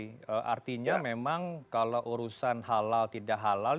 jadi artinya memang kalau urusan halal tidak halal